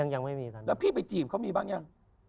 แล้วพี่ไปจีบเขามีบ้างยัง